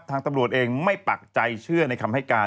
ตำรวจเองไม่ปักใจเชื่อในคำให้การ